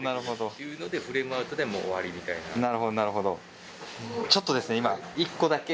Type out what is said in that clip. フレームアウトでもう終わりみたいな。